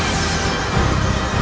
aku akan menang